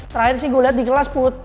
terakhir sih gue lihat di kelas put